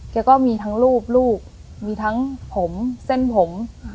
ก็มีทั้งรูปลูกมีทั้งผมเส้นผม